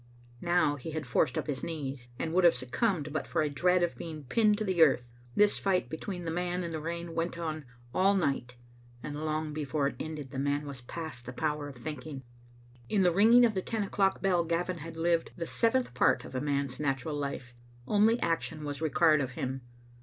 Now he had forced up his knees, and would have succumbed but for a dread of being pinned to the earth. This fight between the man and the rain went on all night, and long before it ended the man was past the power of thinking. In the ringing of the ten o'clock bell Gavin had lived the seventh part of a man's natural life. Only action was required of him.